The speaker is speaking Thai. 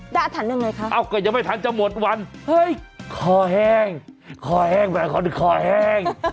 อาถรรพ์ยังไงคะเอ้าก็ยังไม่ทันจะหมดวันเฮ้ยคอแห้งคอแห้งไปคอแห้ง